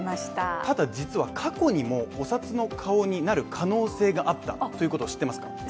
ただ実は過去にも、お札の顔になる可能性があったということを知ってますか？